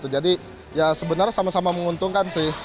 jadi ya sebenarnya sama sama menguntungkan sih